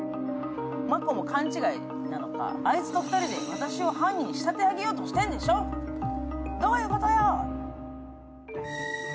真子の勘違いなのか、あいつと２人で私を犯人に仕立て上げようとしてるんでしょ、どういうことよって。